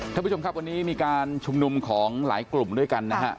ท่านผู้ชมครับวันนี้มีการชุมนุมของหลายกลุ่มด้วยกันนะฮะ